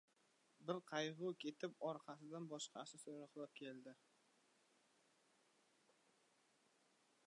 • Bir qayg‘u ketib, orqasidan boshqasi so‘roqlab keldi.